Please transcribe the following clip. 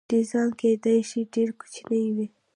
ډیزاین کیدای شي ډیر کوچنی وي.